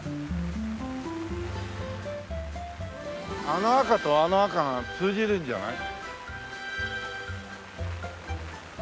あの赤とあの赤が通じるんじゃない？